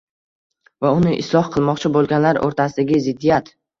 va uni isloh qilmoqchi bo‘lganlar o‘rtasidagi ziddiyat